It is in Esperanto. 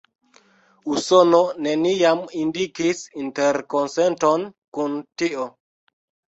Usono neniam indikis interkonsenton kun tio.